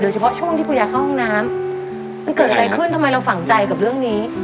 เฉพาะช่วงที่คุณยายเข้าห้องน้ำมันเกิดอะไรขึ้นทำไมเราฝังใจกับเรื่องนี้